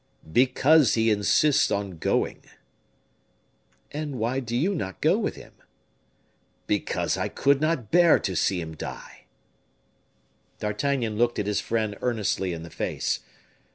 "Because he insists on going." "And why do you not go with him?" "Because I could not bear to see him die." D'Artagnan looked his friend earnestly in the face.